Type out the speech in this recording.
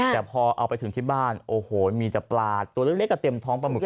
แต่พอเอาไปถึงที่บ้านโอ้โหมีแต่ปลาตัวเล็กเต็มท้องปลาหมึก